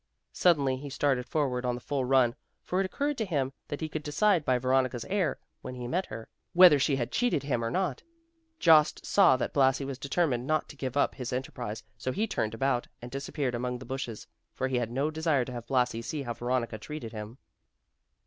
Suddenly he started forward on the full run, for it occured to him that he could decide by Veronica's air when he met her, whether she had cheated him or not. Jost saw that Blasi was determined not to give up his enterprise so he turned about, and disappeared among the bushes; for he had no desire to have Blasi see how Veronica treated him.